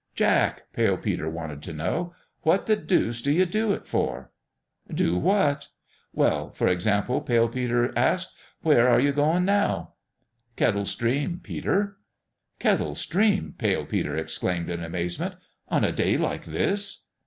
"Jack," Pale Peter wanted to know, "what the deuce do you do it for ?" "Do what?" "Well, for example," Pale Peter asked, " where are you going now ?" 128 PALE PETER'S DONALD " Kettle Stream, Peter." "Kettle Stream!" Pale Peter exclaimed, in amazement. " On a day like this?